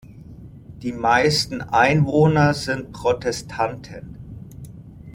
Die meisten Einwohner sind Protestanten.